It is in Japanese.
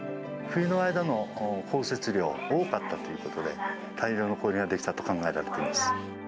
冬の間の降雪量、多かったということで、大量の氷が出来たと考えられています。